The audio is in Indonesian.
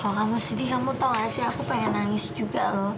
kalau kamu sedih kamu tau gak sih aku pengen nangis juga loh